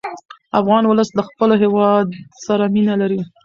افغان ولس له خپل هېواد سره مینه لري.